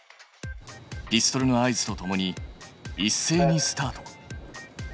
ピストルの合図とともにいっせいにスタート。